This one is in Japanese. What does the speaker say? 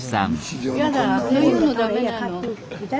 やだ。